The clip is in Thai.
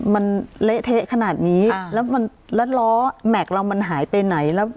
มันเละเทะขนาดนี้แล้วมันแล้วล้อแม็กซ์เรามันหายไปไหนแล้ว